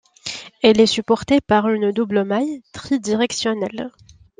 Elle est supportée par une double maille tri-directionnelle.